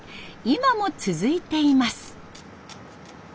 今も続いています。